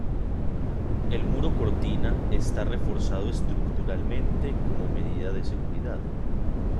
El muro cortina está reforzado estructuralmente como medida de seguridad.